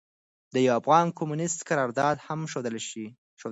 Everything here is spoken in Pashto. د يوافغان کميونسټ کردار هم ښودلے شي.